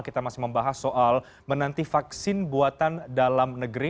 kita masih membahas soal menanti vaksin buatan dalam negeri